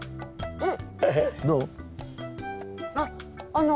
うん。